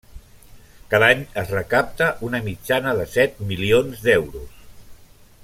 Cada any es recapta una mitjana de set milions d'euros.